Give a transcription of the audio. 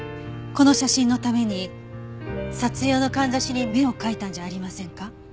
この写真のために撮影用のかんざしに目を描いたんじゃありませんか？